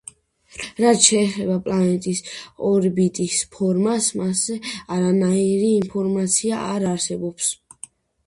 რაც შეეხება პლანეტის ორბიტის ფორმას, მასზე არანაირი ინფორმაცია არ არსებობს.